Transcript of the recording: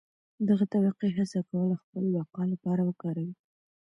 دغه طبقې هڅه کوله خپلې بقا لپاره وکاروي.